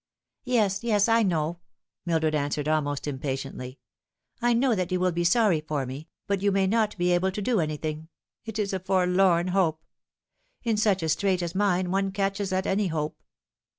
" Yes, yes, I know," Mildred answered, almost impatiently. " I know that you will be sorry for me, but you may not be able to do anything. It is a forlorn hope. In such a strait as mine one catches at any hope."